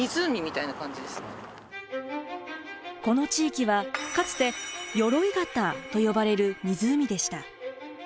この地域はかつて「鎧潟」と呼ばれる湖でした。